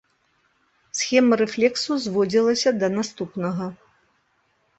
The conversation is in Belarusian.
Схема рэфлексу зводзілася да наступнага.